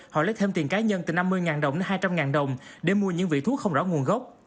họ lấy thêm tiền cá nhân từ năm mươi đồng đến hai trăm linh đồng để mua những vị thuốc không rõ nguồn gốc